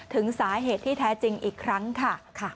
ถึงสาเหตุที่แท้จริงอีกครั้งค่ะ